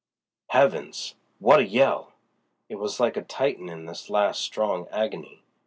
Heavens! what a yell! It was like a Titan in his last, strong agony.